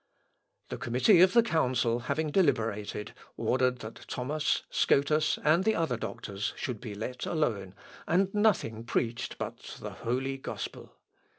The committee of the Council having deliberated, ordered that Thomas, Scotus, and the other doctors, should be let alone, and nothing preached but the Holy Gospel.